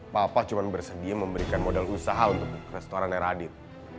papa cuma bersedia memberikan modal usaha untuk restorannya radit